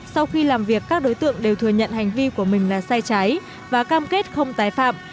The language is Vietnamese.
sau khi làm việc các đối tượng đều thừa nhận hành vi của mình là sai trái và cam kết không tái phạm